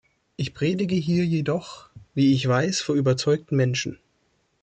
Ich predige hier jedoch, wie ich weiß, vor überzeugten Menschen.